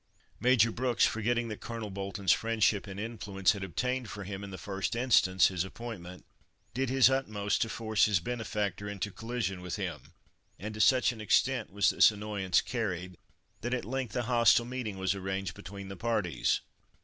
Major Brooks, forgetting that Colonel Bolton's friendship and influence had obtained for him, in the first instance, his appointment, did his utmost to force his benefactor into collision with him, and to such an extent was this annoyance carried, that at length a hostile meeting was arranged between the parties.